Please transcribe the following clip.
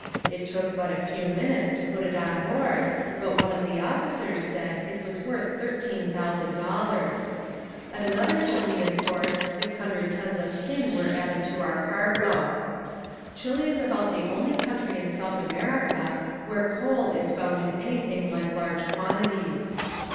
It took but a few minutes to put it on board but one of the officers said it was worth thirteen thousand dollars. At another Chilean port six hundred tons of tin were added to our cargo. Chile is about the only country in South America where coal is found in anything like large quantities.